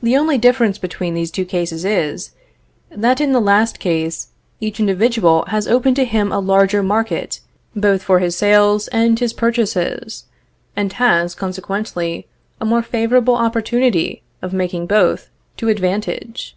The only difference between these two cases is, that in the last, each individual has open to him a larger market both for his sales and his purchases, and has, consequently, a more favorable opportunity of making both to advantage.